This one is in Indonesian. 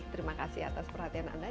terima kasih atas perhatian anda